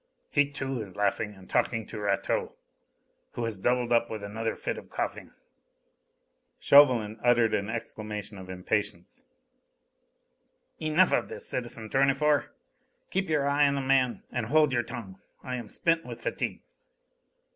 He, too, is laughing and talking to Rateau, who is doubled up with another fit of coughing " Chauvelin uttered an exclamation of impatience: "Enough of this, citizen Tournefort. Keep your eye on the man and hold your tongue. I am spent with fatigue."